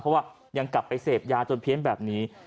เพราะว่ายังกลับไปเสพยาจนเพี้ยนแบบนี้